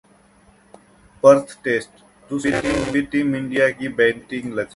Perth test: दूसरे दिन भी टीम इंडिया की बैंटिंग लचर